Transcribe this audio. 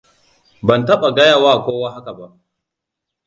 Ban taɓa gaya wa kowa haka ba.